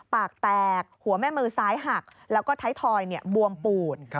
ปากแตกหัวแม่มือซ้ายหักแล้วก็ท้ายทอยบวมปูด